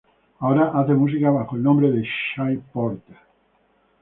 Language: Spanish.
Ahora hace música bajo el nombre de Shy Porter.